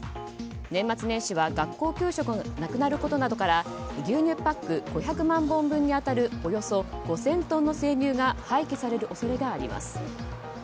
年末年始は学校給食がなくなることなどから牛乳パック５００万本分に当たるおよそ５０００トンの生乳が廃棄される恐れがあります。